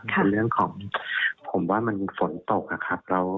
เป็นเรื่องของผมว่ามันฝนตกอะครับ